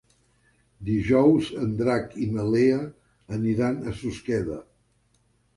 Dijous en Drac i na Lea aniran a Susqueda.